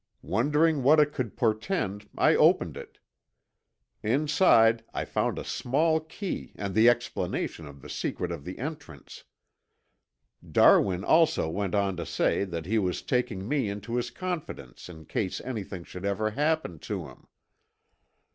Wondering what it could portend I opened it. Inside I found a small key and the explanation of the secret of the entrance. Darwin also went on to say that he was taking me into his confidence in case anything should ever happen to him.